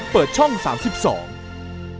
โปรดติดตามตอนต่อไป